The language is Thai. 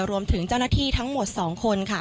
รวมถึงเจ้าหน้าที่ทั้งหมด๒คน